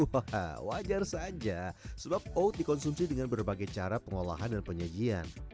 hahaha wajar saja sebab oat dikonsumsi dengan berbagai cara pengolahan dan penyajian